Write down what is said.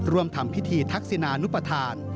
ร่วมทำพิธีทักษินานุปทาน